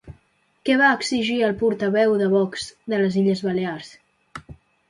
Què va exigir el portaveu de Vox de les Illes Balears?